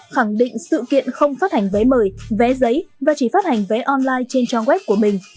khẳng định sự kiện không phát hành vé mời vé giấy và chỉ phát hành vé online trên trang web của mình